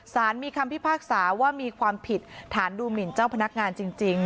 สารมีคำพิพากษาว่ามีความผิดฐานดูหมินเจ้าพนักงานจริง